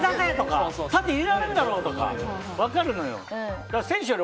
縦入れられるだろ！とか分かるんだよ。